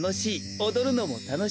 おどるのもたのしい。